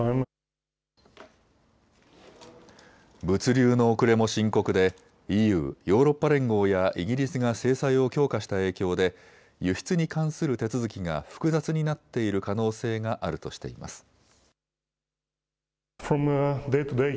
物流の遅れも深刻でＥＵ・ヨーロッパ連合やイギリスが制裁を強化した影響で輸出に関する手続きが複雑になっている可能性があるとしています。